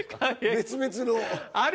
別々の。